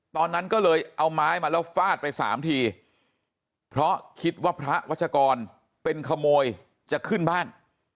ตอนนั้นก็เลยเอาไม้มาแล้วฟาดไป๓ทีเพราะคิดว่าพระวัชกรเป็นขโมยจะขึ้นบ้าน